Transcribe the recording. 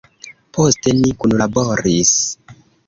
Poste ni kunlaboris.